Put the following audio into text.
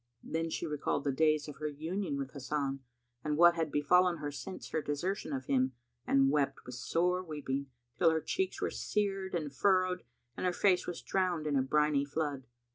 Then she recalled the days of her union with Hasan and what had befallen her since her desertion of him and wept with sore weeping till her cheeks were seared and furrowed and her face was drowned in a briny flood.